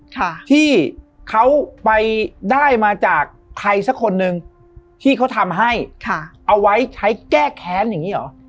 ค่ะที่เขาไปได้มาจากใครสักคนหนึ่งที่เขาทำให้ค่ะเอาไว้ใช้แก้แค้นอย่างงี้เหรอ